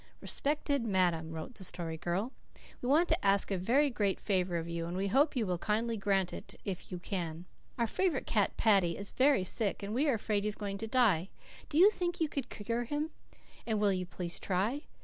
"Respected Madam," wrote the Story Girl. "We want to ask a very great favour of you and we hope you will kindly grant it if you can. Our favourite cat, Paddy, is very sick, and we are afraid he is going to die. Do you think you could cure him? And will you please try?